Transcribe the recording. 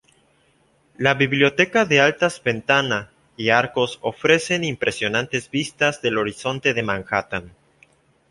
La biblioteca de altas ventana y arcos ofrecen impresionantes vistas del horizonte de Manhattan.